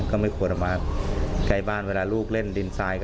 ก็ไม่ควรออกมาใกล้บ้านเวลาลูกเล่นดินทราย